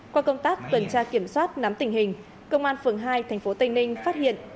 qua công tác tuần tra kiểm soát nắm tình hình công an phường hai tp tây ninh phát hiện